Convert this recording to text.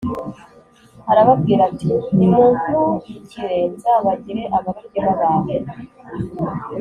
Arababwira ati “Nimunkurikire nzabagire abarobyi b’abantu.”